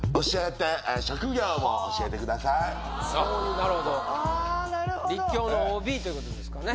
なるほど立教のＯＢということですかね